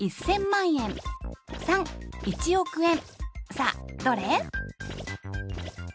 さあどれ？